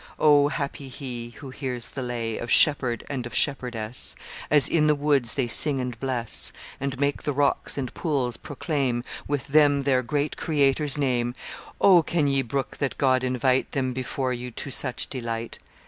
O, happy he who hears the lay Of shepherd and of shepherdess, As in the woods they sing and bless, And make the rocks and pools proclaim With them their great Creator's name! O, can ye brook that God invite Them before you to such delight?